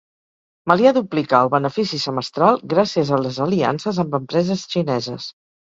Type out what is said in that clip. Melià duplica el benefici semestral gràcies a les aliances amb empreses xineses